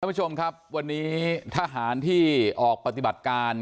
ผู้ชมครับวันนี้ทหารที่ออกปฏิบัติการ